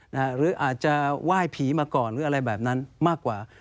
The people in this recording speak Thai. หรืออาจจะไหว้ผีมาก่อนหรืออะไรแบบนั้นมากกว่า